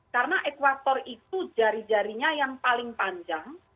karena ekwator itu jari jarinya yang paling panjang